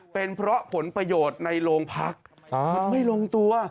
เป็นเพราะผลประโยชน์ในโรงพักมันไม่ลงตัว